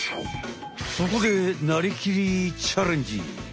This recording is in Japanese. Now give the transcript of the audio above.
そこで「なりきり！チャレンジ！」。